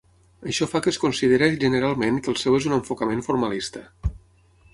Això fa que es consideri generalment que el seu és un enfocament formalista.